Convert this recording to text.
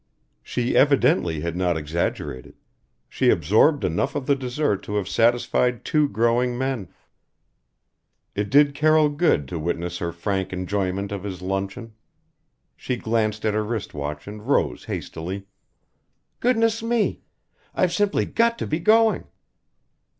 She evidently had not exaggerated. She absorbed enough of the dessert to have satisfied two growing men. It did Carroll good to witness her frank enjoyment of his luncheon. She glanced at her wrist watch and rose hastily "Goodness me, I've simply got to be going."